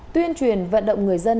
tuyên truyền vận động người dân